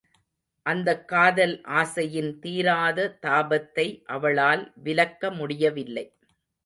அந்தக் காதல் ஆசையின் தீராத தாபத்தை அவளால் விலக்க முடியவில்லை.